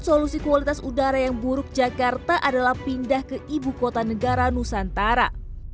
solusi kualitas udara yang buruk jakarta adalah pindah ke ibu kota negara nusantara